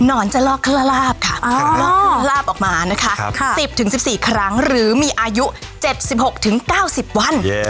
หนอนจะลอกลาบออกมา๑๐๑๔ครั้งหรือมีอายุ๗๖๙๐วัน